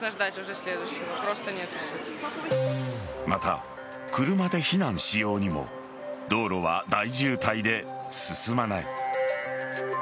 また、車で避難しようにも道路は大渋滞で進まない。